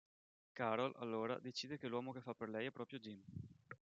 Carol, allora, decide che l'uomo che fa per lei è proprio Jim.